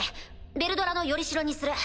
ヴェルドラの依り代にする。